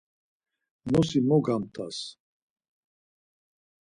Nosi mo gamt̆as!